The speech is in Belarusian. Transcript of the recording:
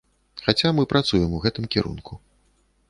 Хаця мы працуем у гэтым кірунку.